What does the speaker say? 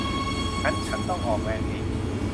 งั้นฉันต้องออกแรงเอง